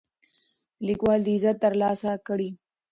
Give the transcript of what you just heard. لیکوال دا عزت ترلاسه کړی.